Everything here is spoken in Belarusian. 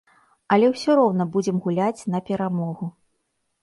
Але ўсё роўна будзем гуляць на перамогу.